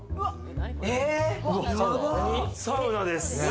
サウナです。